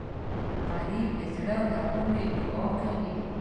غریب د زړه له کومي دعا کوي